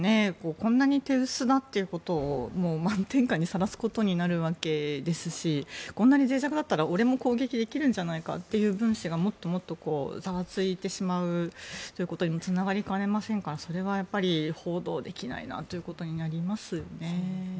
こんなに手薄だということを満天下にさらすことになるわけですしこんなにぜい弱だったら俺も攻撃できるんじゃないかという分子がもっとざわついてしまうことにもつながりかねませんからそれは報道できないなということになりますよね。